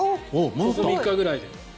ここ３日くらいで。